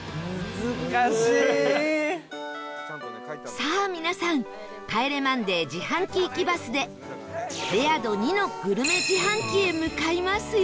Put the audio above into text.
さあ皆さん、『帰れマンデー』自販機行きバスでレア度２のグルメ自販機へ向かいますよ